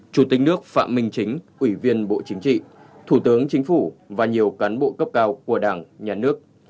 chủ tịch nước phạm minh chính ủy viên bộ chính trị thủ tướng chính phủ và nhiều cán bộ cấp cao của đảng nhà nước